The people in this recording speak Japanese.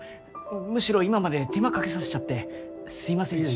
むしろ今まで手間かけさせちゃってすいませんでした。